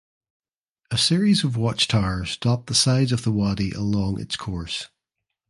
A series of watchtowers dot the sides of the wadi along its course.